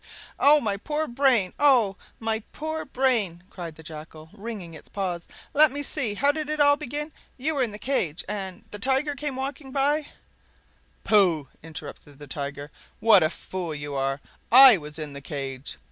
"Oh, my poor brain! oh, my poor brain!" cried the Jackal, wringing its paws. "Let me see! how did it all begin? You were in the cage, and the Tiger came walking by—" "Pooh!" interrupted the Tiger, "what a fool you are! I was in the cage."